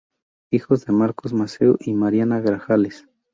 Hijo de Marcos Maceo y Mariana Grajales.